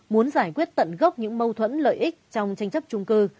muốn giải quyết tận gốc những mâu thuẫn lợi ích trong tranh chấp trung cư